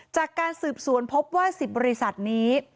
จากการสืบสวนพบว่า๑๐บริษัทนี้